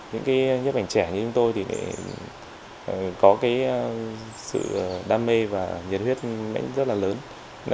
những nhiếp ảnh trẻ như chúng tôi có sự đam mê và nhiệt huyết rất lớn